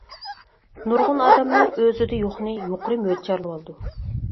نۇرغۇن ئادەملەر ئۆزىدە يوقنى يۇقىرى مۆلچەرلىۋالىدۇ.